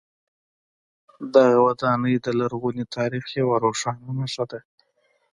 دغه ودانۍ د لرغوني تاریخ یوه روښانه نښه ده.